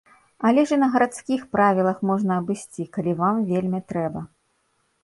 Але ж і на гарадскіх правіла можна абысці, калі вам вельмі трэба.